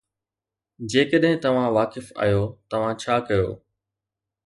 جيڪڏهن توهان واقف آهيو، توهان ڇا ڪيو؟